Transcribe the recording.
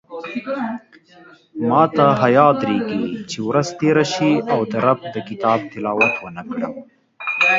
ماته حیاء درېږې چې ورځ تېره شي او د رب د کتاب تلاوت ونکړم